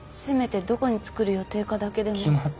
せめてどこに造る予定かだけでも。